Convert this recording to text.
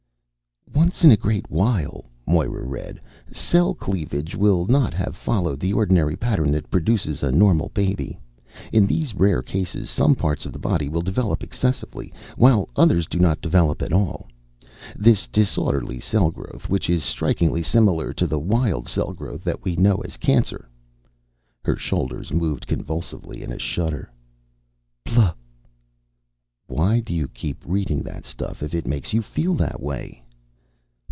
"Once in a great while," Moira read, "cell cleavage will not have followed the orderly pattern that produces a normal baby. In these rare cases some parts of the body will develop excessively, while others do not develop at all. This disorderly cell growth, which is strikingly similar to the wild cell growth that we know as cancer " Her shoulders moved convulsively in a shudder. "Bluh!" "Why do you keep reading that stuff, if it makes you feel that way?"